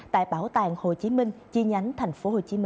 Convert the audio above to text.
tại bảo tàng hồ chí minh chi nhánh tp hcm